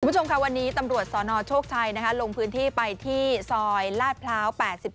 คุณผู้ชมค่ะวันนี้ตำรวจสนโชคชัยลงพื้นที่ไปที่ซอยลาดพร้าว๘๔